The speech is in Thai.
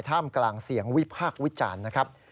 ท่ามกลางเสียงวิพากษ์วิจารณ์นะครับ